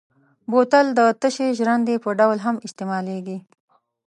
بوتل د تشې ژرندې په ډول هم استعمالېږي.